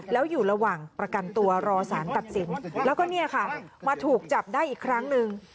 แล้วอยู่ระหว่างประกันตัวรอสารตัดสินแล้วก็เนี่ยค่ะมาถูกจับได้อีกครั้งหนึ่ง